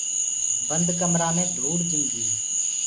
بند ڪمرآ مي ڌوُڙ جِم گي۔